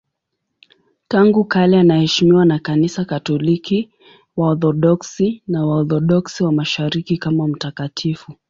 Tangu kale anaheshimiwa na Kanisa Katoliki, Waorthodoksi na Waorthodoksi wa Mashariki kama mtakatifu.